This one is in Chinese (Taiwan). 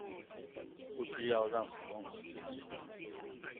不需要讓使用者進行